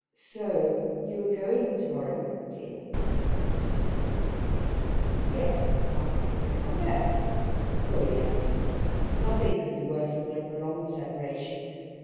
"So you're going to morrow, dear," said the Dean. "Yes, papa. Is it not best?" "Oh yes. Nothing could be worse than a prolonged separation.